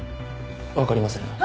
わかりません。